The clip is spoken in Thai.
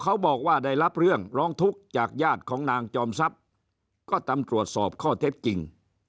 เขาบอกว่าได้รับเรื่องร้องทุกข์จากญาติของนางจอมทรัพย์ก็ตามตรวจสอบข้อเท็จจริง